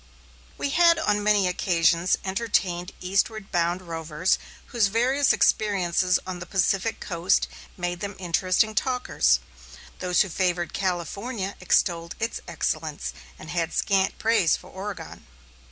We had on many occasions entertained eastward bound rovers whose varied experiences on the Pacific coast made them interesting talkers. Those who favored California extolled its excellence, and had scant praise for Oregon.